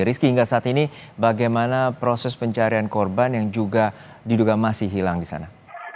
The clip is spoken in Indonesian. rizky hingga saat ini bagaimana proses pencarian korban yang juga diduga masih hilang di sana